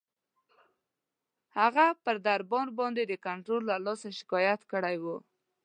هغه پر دربار باندي د کنټرول له لاسه شکایت کړی وو.